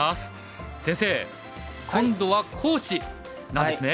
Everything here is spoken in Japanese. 先生今度は講師なんですね。